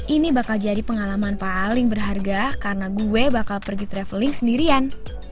ini bakal jadi pengalaman paling berharga karena gue bakal pergi traveling sendirian